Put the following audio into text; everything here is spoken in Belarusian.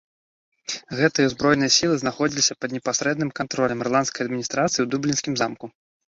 Гэтыя ўзброеныя сілы знаходзіліся пад непасрэдным кантролем ірландскай адміністрацыі ў дублінскім замку.